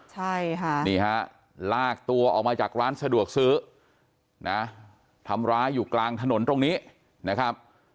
ใช่ค่ะนี่ฮะลากตัวออกมาจากร้านสะดวกซื้อนะทำร้ายอยู่กลางถนนตรงนี้นะครับ